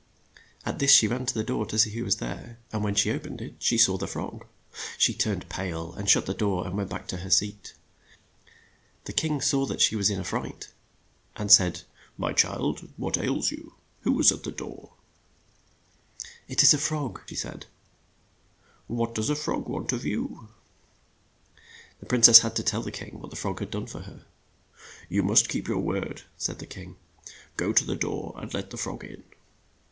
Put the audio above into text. At this she ran to the door to see who was there, and when she o pened it, she saw the frog. She turned pale, and shut the door, and went back to her seat. The king saw that she was in a fright, and he said, '' My child, what ails you ? Who is at the door ?'' "It is a frog," said she. '' What does the frog want of you ?'' The prin cess had to tell the king what the frog had done for her. "You must keep your word," said the king. "Go to the door and let the frog in."